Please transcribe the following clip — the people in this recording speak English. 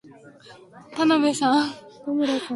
I will say a sentence, and you will write it down.